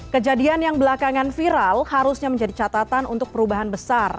kejadian yang belakangan viral harusnya menjadi catatan untuk perubahan besar